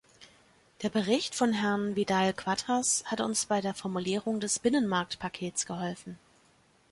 Der Bericht von Herrn Vidal-Quadras hat uns bei der Formulierung des Binnenmarktpakets geholfen.